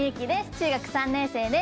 中学３年生です。